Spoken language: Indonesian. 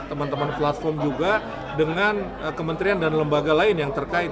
teman teman platform juga dengan kementerian dan lembaga lain yang terkait